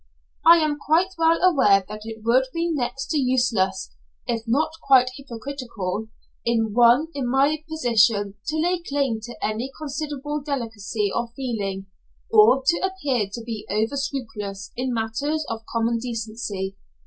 I am quite well aware that it would be next to useless, if not quite hypocritical, in one in my position to lay claim to any considerable delicacy of feeling, or to appear to be over scrupulous in matters of common decency.